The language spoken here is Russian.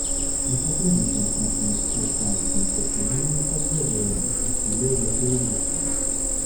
Мы сотрудничаем с нашими тихоокеанскими соседями и поддерживаем их усилия в этой области.